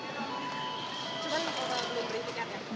jumat belum beli tiket ya